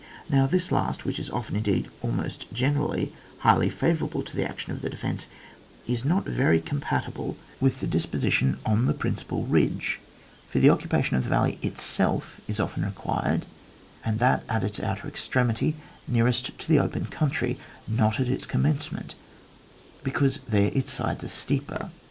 Now this last, which is often, indeed almost generally, highly favourable to the action of the defence, is not very compatible with the disposition on the principal ridge, for the occupation of the valley itself is often required and that at its outer extremity nearest to the open country, not at its commencement, be cause there its sides are steeper.